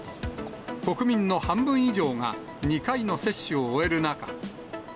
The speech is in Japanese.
国民の半分以上が２回の接種を終える中。